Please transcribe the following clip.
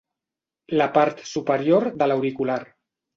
La part superior de l'auricular.